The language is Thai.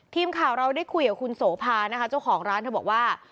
ทีมข่าวเราได้คุยกับคุณโสภานะคะเจ้าของร้านเธอบอกว่า